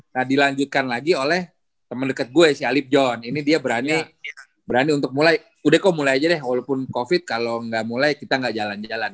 nah dilanjutkan lagi oleh temen deket gue si alip john ini dia berani untuk mulai udah kok mulai aja deh walaupun covid kalau gak mulai kita gak jalan jalan